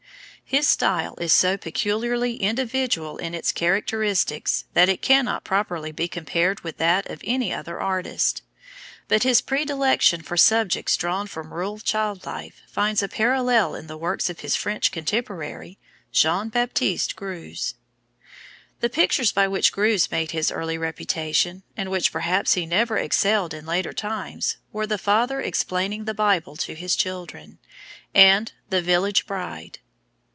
His style is so peculiarly individual in its characteristics that it cannot properly be compared with that of any other artist; but his predilection for subjects drawn from rural child life finds a parallel in the work of his French contemporary, Jean Baptiste Greuze. The pictures by which Greuze made his early reputation, and which perhaps he never excelled in later times, were the Father Explaining the Bible to his Children, and the Village Bride.